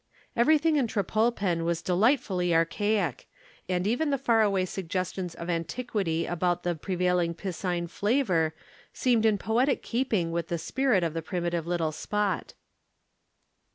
Everything in Trepolpen was delightfully archaic, and even the far away suggestions of antiquity about the prevailing piscine flavor seemed in poetic keeping with the spirit of the primitive little spot.